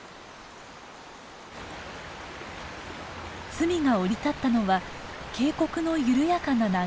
ツミが降り立ったのは渓谷の緩やかな流れの中。